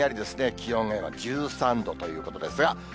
気温は今、１３度ということですが。